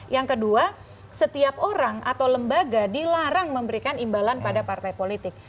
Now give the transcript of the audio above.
yang kedua setiap orang atau lembaga dilarang memberikan imbalan pada partai politik